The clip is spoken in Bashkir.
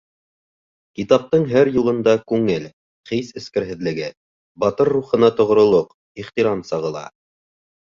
Китаптың һәр юлында күңел, хис эскерһеҙлеге, батыр рухына тоғролоҡ, ихтирам сағыла.